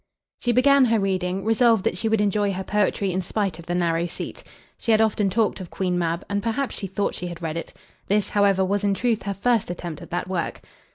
She began her reading, resolved that she would enjoy her poetry in spite of the narrow seat. She had often talked of "Queen Mab," and perhaps she thought she had read it. This, however, was in truth her first attempt at that work.